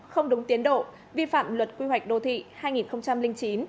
không đúng tiến độ vi phạm luật quy hoạch đô thị hai nghìn chín